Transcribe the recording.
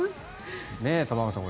玉川さん